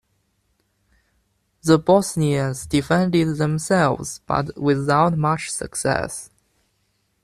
The Bosnians defended themselves but without much success.